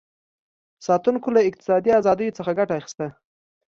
ساتونکو له اقتصادي ازادیو څخه ګټه اخیسته.